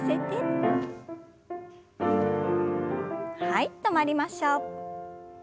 はい止まりましょう。